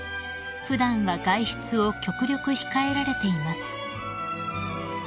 普段は外出を極力控えられています］